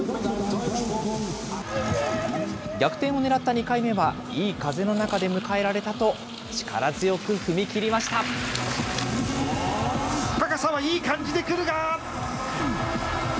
逆転を狙った２回目はいい風の中で迎えられたと、力強く踏み切り高さはいい感じでくるが。